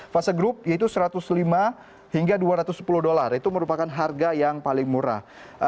fase grup yaitu satu ratus lima hingga dua ratus sepuluh dolar itu merupakan harga yang paling murah